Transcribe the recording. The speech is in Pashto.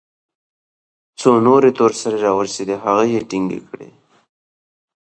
څو نورې تور سرې راورسېدې هغه يې ټينګه كړه.